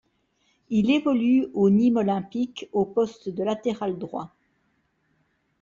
Il évolue au Nîmes Olympique au poste de latéral droit.